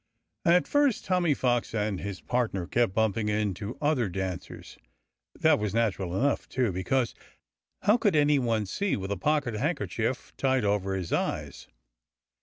At first, Tommy Fox and his partner kept bumping into other dancers. That was natural enough, too, because how could anyone see, with a pocket handkerchief tied over his eyes?